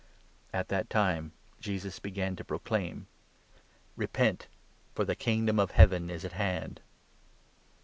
' At that time Jesus began to proclaim — J*hi1*wo*l?k.n* " Repent, for the Kingdom of Heaven is at hand."